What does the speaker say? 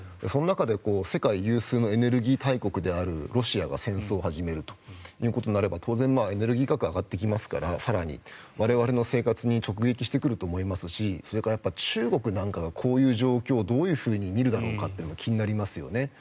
その中で世界有数のエネルギー大国であるロシアが戦争を始めるということになればエネルギー価格は更に上がってきますから我々の生活に直撃してくると思いますしそれから中国なんかがこういう状況をどういうふうに見るだろうかって気になりますよね。